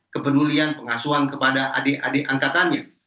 kepedulian pengasuhan kepada adik adik angkatannya